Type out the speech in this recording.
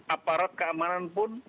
aparat keamanan pun